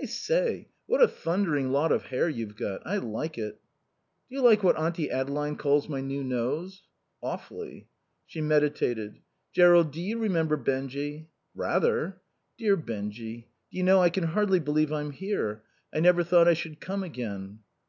"I say, what a thundering lot of hair you've got. I like it." "Do you like what Auntie Adeline calls my new nose?" "Awfully." She meditated. "Jerrold, do you remember Benjy?" "Rather." "Dear Benjy... Do you know, I can hardly believe I'm here. I never thought I should come again."